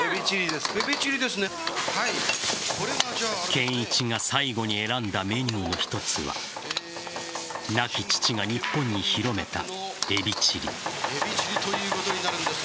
建一が最後に選んだメニューの一つは亡き父が日本に広めたエビチリ。